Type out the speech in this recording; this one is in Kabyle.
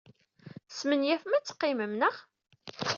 Tesmenyafem ad teqqimem, naɣ?